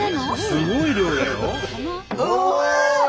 すごい量だよ。